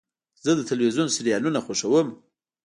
زه د تلویزیون سریالونه خوښوم.